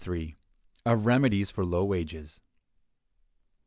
Of Remedies For Low Wages.